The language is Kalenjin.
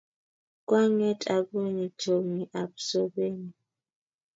Kwang'et akonyi chomye ap sobennyu